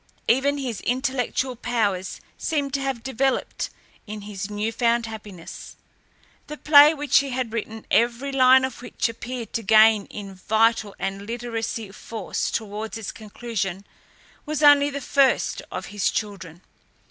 Even his intellectual powers seemed to have developed in his new found happiness. The play which he had written, every line of which appeared to gain in vital and literary force towards its conclusion, was only the first of his children.